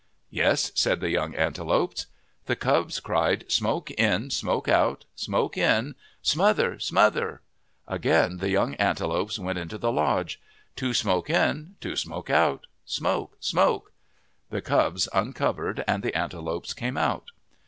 " Yes," said the young antelopes. The cubs cried :" Smoke in, smoke out ; smoke in, ... smother, smother !' Again the young antelopes went into the lodge. " Two smoke in, two smoke out, ... smoke, smoke !' The cubs uncovered and the antelopes came out.